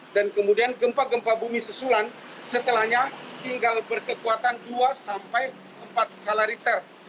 dan kemudian gempa gempa bumi sesulan setelahnya tinggal berkekuatan dua sampai empat kalariter